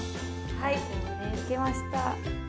はいできました。